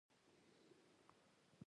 اوس به نو سل په سلو کې سکاره په لاس راشي.